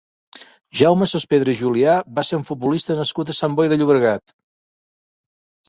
Jaume Sospedra i Julià va ser un futbolista nascut a Sant Boi de Llobregat.